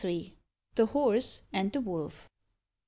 THE HORSE AND THE WOLF.